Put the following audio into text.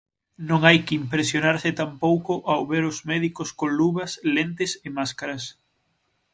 Non hai que impresionarse tampouco ao ver os médicos con luvas, lentes e máscaras.